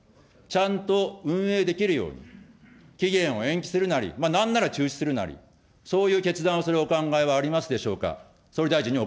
ちゃんと運営できるように期限を延期するなり、なんなら中止するなり、そういう決断をするお考えはありますでしょうか。